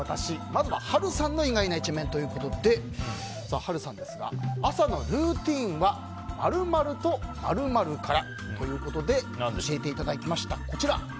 まずは波瑠さんの意外な一面ということで朝のルーティンは○○と○○からということで教えていただきました、こちら。